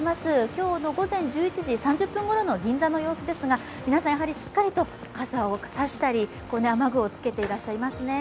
今日の午前１１時３０分ごろの銀座の様子ですが、皆さんしっかりと傘を差したり雨具をつけてらっしゃいますね。